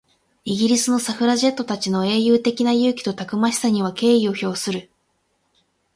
イギリスのサフラジェットたちの英雄的な勇気とたくましさには敬意を表する。